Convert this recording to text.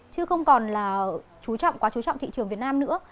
chứ không còn là quá chú trọng thị trường việt nam nữa